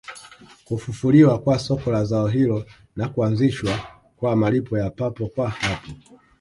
Kufufuliwa kwa soko la zao hilo na kuanzishwa kwa malipo ya papo kwa hapo